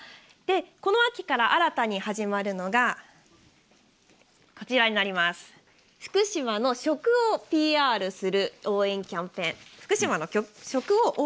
この秋から新たに始まるのが福島の食をＰＲする応援キャンペーン。